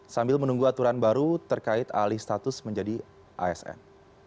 sambil menunggu aturan baru terkait alih status menjadi asn